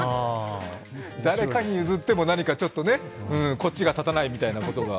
誰かに譲っても何かちょっとこっちがたたないみたいなことが。